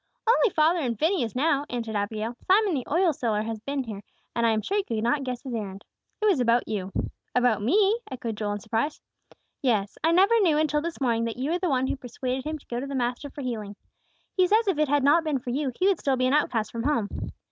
"Only father and Phineas, now," answered Abigail. "Simon the oil seller has just been here, and I am sure you could not guess his errand. It was about you." "About me?" echoed Joel, in surprise. "Yes, I never knew until this morning that you were the one who persuaded him to go to the Master for healing. He says if it had not been for you, he would still be an outcast from home.